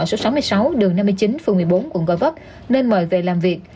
số sáu mươi sáu đường năm mươi chín phường một mươi bốn quận gò vấp nên mời về làm việc